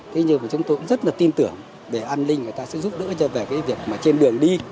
thế nhưng mà chúng tôi cũng rất là tin tưởng về an ninh người ta sẽ giúp đỡ cho về cái việc mà trên đường đi